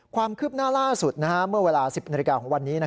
ความคืบหน้าล่าสุดเมื่อเวลา๑๐นาฬิกาของวันนี้